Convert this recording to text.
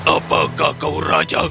apakah kau raja